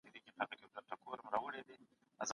فلسفه د بشري ازادۍ حق بیانوي.